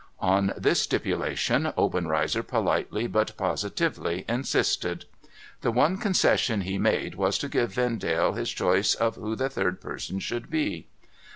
On this stipulation Obenreizer politely but positively insisted. The one concession he made was to give Vendale his choice of who the third person should be.